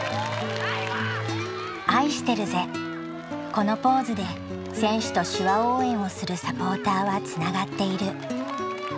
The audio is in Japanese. このポーズで選手と手話応援をするサポーターはつながっている。